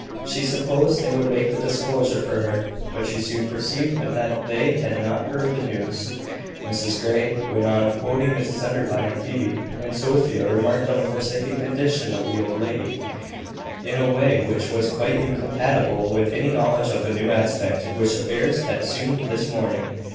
She supposed they would make the disclosure for her: but she soon perceived that they had not heard the news. Mrs Grey went on quoting Mrs Enderby and Phoebe, and Sophia remarked on the forsaken condition of the old lady, in a way which was quite incompatible with any knowledge of the new aspect which affairs had assumed this morning.